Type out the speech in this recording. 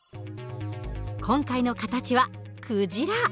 今回の形はクジラ。